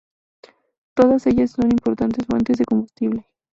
Todas ellas son importantes fuentes de combustible.